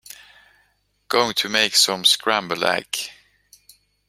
Going to make some scrambled egg.